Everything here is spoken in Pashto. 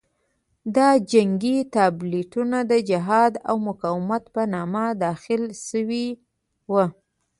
دا جنګي تابلیتونه د جهاد او مقاومت په نامه داخل شوي وو.